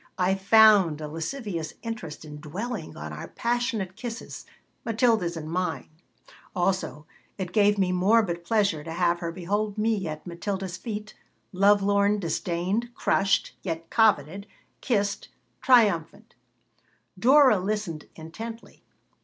I found a lascivious interest in dwelling on our passionate kisses, Matilda's and mine. Also, it gave me morbid pleasure to have her behold me at Matilda's feet, lovelorn, disdained, crushed, yet coveted, kissed, triumphant Dora listened intently.